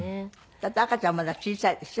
だって赤ちゃんまだ小さいでしょ？